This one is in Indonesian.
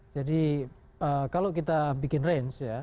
jadi kalau kita bikin range ya